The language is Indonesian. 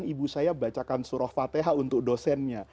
ibu saya bacakan surah fateha untuk dosennya